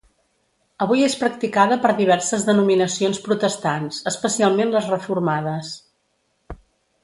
Avui és practicada per diverses denominacions protestants, especialment les reformades.